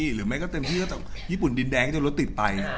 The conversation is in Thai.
หรือไม่ก็เต็มที่จากญี่ปุ่นดินแดงจากรถติดไป